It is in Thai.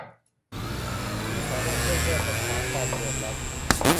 ที่สามารถช่วยแก้ปัญหาความเหลื่อมล้ำ